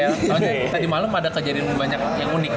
tau gak tadi malem ada kejadian banyak yang unik